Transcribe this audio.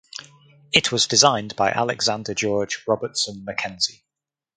It was designed by Alexander George Robertson Mackenzie.